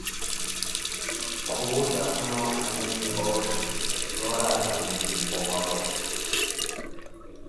Khuwuza, aphano, anyannyi ooxhi yoori atane owawe.